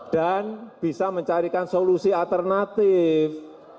dan bisa mencarikan solusi alternatif